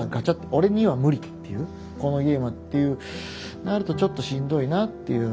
「俺には無理」っていう「このゲームは」っていうなるとちょっとしんどいなっていう。